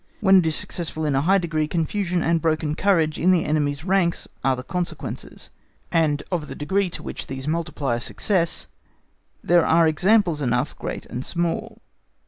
When it is successful in a high degree, confusion and broken courage in the enemy's ranks are the consequences; and of the degree to which these multiply a success, there are examples enough, great and small.